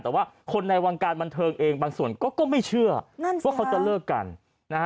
แต่ว่าคนในวงการบันเทิงเองบางส่วนก็ไม่เชื่อนั่นว่าเขาจะเลิกกันนะฮะ